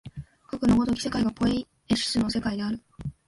かくの如き世界がポイエシスの世界である。